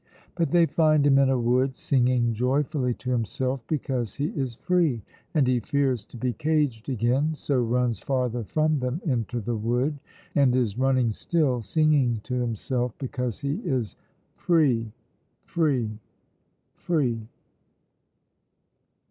But they find him in a wood singing joyfully to himself because he is free; and he fears to be caged again, so runs farther from them into the wood, and is running still, singing to himself because he is free, free, free.